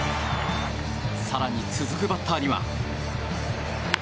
更に、続くバッターには。